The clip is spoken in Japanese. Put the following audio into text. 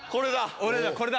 俺らこれだ！